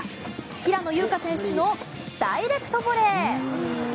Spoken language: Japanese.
平野優花選手のダイレクトボレー。